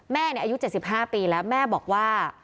แม่เนี่ยอายุเจ็ดสิบห้าปีแล้วแม่บอกว่า